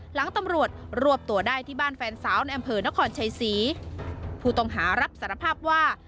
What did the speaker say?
หลังตำรวจรวบตัวได้ที่บ้านแฟนสาวในอำเภอนครชัยศรีผู้ต้องหารับสารภาพว่า